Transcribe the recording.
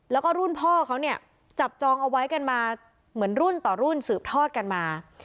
แล้วก็รุ่นพ่อเขาเนี่ยจับจองเอาไว้กันมาเหมือนรุ่นต่อรุ่นสืบทอดกันมา